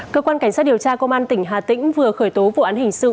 cơ quan cảnh sát điều tra công an tỉnh hà tĩnh vừa khởi tố vụ án hình sự